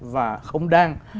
và không đang